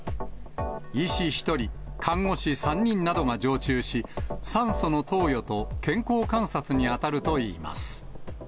医師１人、看護師３人などが常駐し、酸素の投与と健康観察に当たるといいます。